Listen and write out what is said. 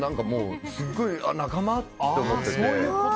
すごい仲間って思ってて。